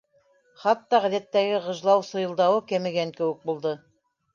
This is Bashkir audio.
Хатта ғәҙәттәге ғыжлау-сыйылдауы кәмегән кеүек булды.